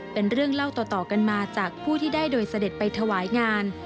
เป็นเรื่องเล่าต่อกันมาจากผู้ที่ได้โดยเสด็จไปถวายงาน